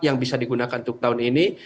yang bisa digunakan untuk tahun ini